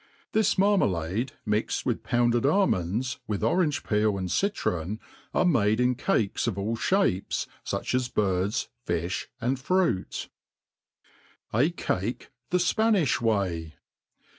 " This marmalade, mixed with pounded almpnds, with pratigeand fruit* A Cake the Spanijh Way.